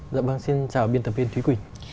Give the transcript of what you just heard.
dạ vâng xin chào biên tập viên thúy quỳnh